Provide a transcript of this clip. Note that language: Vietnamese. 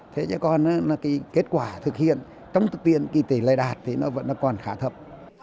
thế chứ còn cái kết quả thực hiện trong tiền kỳ tỷ lây đạt thì nó vẫn còn khá thấp